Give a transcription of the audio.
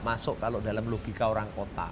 masuk kalau dalam logika orang kota